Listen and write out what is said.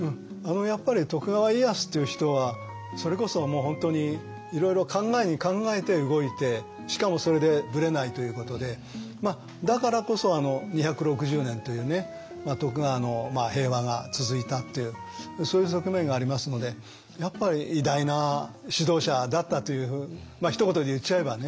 やっぱり徳川家康っていう人はそれこそもう本当にいろいろ考えに考えて動いてしかもそれでブレないということでだからこそ２６０年というね徳川の平和が続いたっていうそういう側面がありますのでやっぱり偉大な指導者だったというひと言で言っちゃえばね